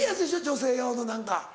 女性用の何か。